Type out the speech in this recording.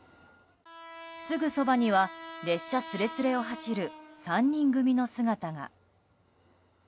すぐそばには列車すれすれを走る３人組の姿が。